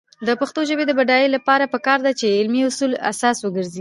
د پښتو ژبې د بډاینې لپاره پکار ده چې علمي اصول اساس وګرځي.